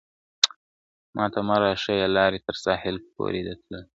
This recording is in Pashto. ماته مه راښیه لاري تر ساحل پوری د تللو ..